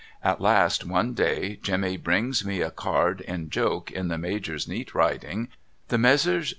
At last one day Jemmy brings me a card in joke in the l^Iajor's neat writing 'The Messrs.